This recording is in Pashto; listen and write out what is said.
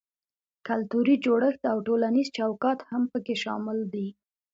کلتوري جوړښت او ټولنیز چوکاټ هم پکې شامل دي.